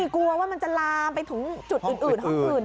กลัวว่ามันจะลามไปถึงห้องอื่น